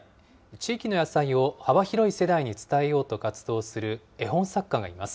地域の野菜を幅広い世代に伝えようと活動する絵本作家がいます。